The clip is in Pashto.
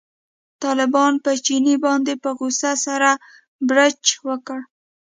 طالبانو په چیني باندې په غوسه سره بړچ وکړ.